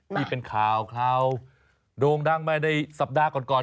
ที่เป็นข่าวโด่งดังมาในสัปดาห์ก่อน